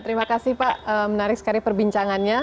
terima kasih pak menarik sekali perbincangannya